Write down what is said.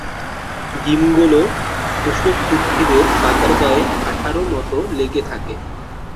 ডিমগুলো পোষক উদ্ভিদের পাতার গায়ে আঠারো মতো লেগে থাকে।